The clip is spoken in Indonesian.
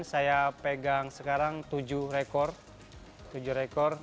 saya pegang sekarang tujuh rekor